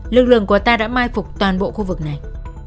lực lượng của ta đã mai phục toàn bộ khu vực này